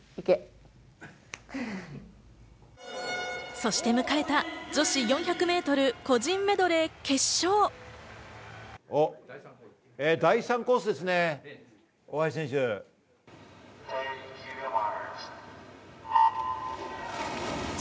そして迎えた女子４００ｍフリーメドレー決勝。